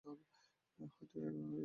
হয়তো এসব বিশ্বাস হতেও পারে!